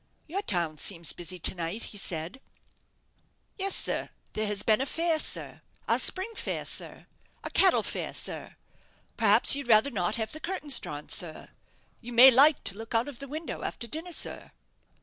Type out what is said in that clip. "Your town seems busy to night," he said. "Yes, sir; there has been a fair, sir our spring fair, sir a cattle fair, sir. Perhaps you'd rather not have the curtains drawn, sir. You may like to look out of the window after dinner, sir."